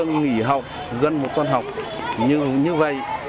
nghỉ học gần một tuần học như vậy